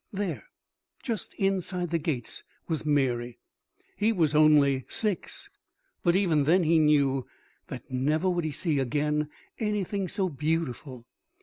There, just inside the gates, was Mary. He was only six, but even then he knew that never would he see again anything so beautiful.